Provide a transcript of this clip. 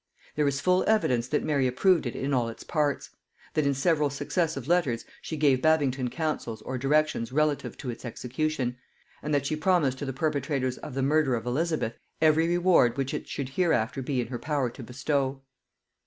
There is full evidence that Mary approved it in all its parts; that in several successive letters she gave Babington counsels or directions relative to its execution; and that she promised to the perpetrators of the murder of Elizabeth every reward which it should hereafter be in her power to bestow.